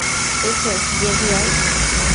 এসো, জেভিয়ার।